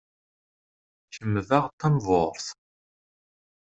Kemm daɣ d tamburt?